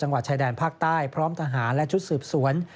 วัดชายแดนภาคใต้พร้อมทหารและชุดสืบสวน